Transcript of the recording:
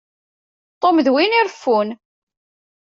Tom d win ireffun.